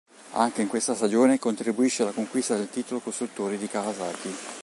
Anche in questa stagione contribuisce alla conquista del titolo costruttori di Kawasaki.